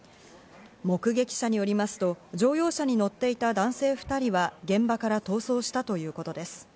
目撃者によりますと乗用車に乗っていた男性２人は、現場から逃走したということです。